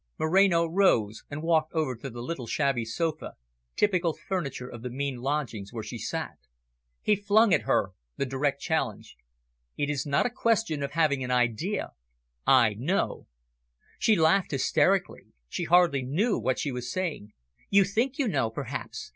Moreno rose and walked over to the little shabby sofa, typical furniture of the mean lodgings, where she sat. He flung at her the direct challenge. "It is not a question of having an idea. I know." She laughed hysterically; she hardly knew what she was saying. "You think you know, perhaps.